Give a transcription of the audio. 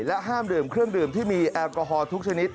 ห้ามดื่มเครื่องดื่มที่มีแอลกอฮอลทุกชนิด